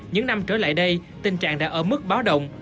những năm trở lại đây tình trạng đã ở mức báo động